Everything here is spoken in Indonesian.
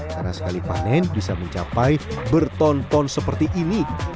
karena sekali panen bisa mencapai berton ton seperti ini